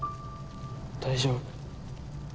大丈夫。